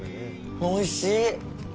おいしい。